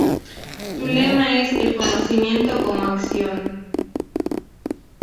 Su lema es "El conocimiento como acción".